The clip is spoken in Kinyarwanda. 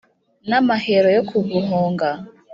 n' amahero yo kuguhonga.